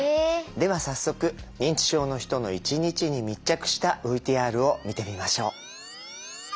では早速認知症の人の一日に密着したＶＴＲを見てみましょう。